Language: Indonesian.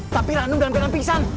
tapi ranum dalam dalam pingsan